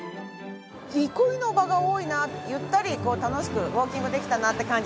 憩いの場が多いなゆったり楽しくウォーキングできたなって感じです。